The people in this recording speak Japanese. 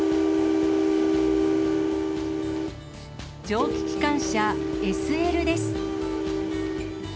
蒸気機関車ＳＬです。